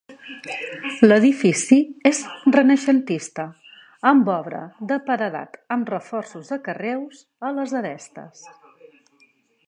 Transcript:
L'edifici és renaixentista, amb obra de paredat amb reforços de carreus a les arestes.